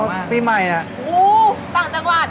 อู้วต่างจังหวัด